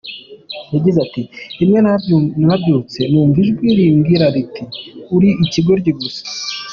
Yagize ati :« Rimwe narabyutse numva ijwi rimbwira riti ‘uri ikigoryi gusa.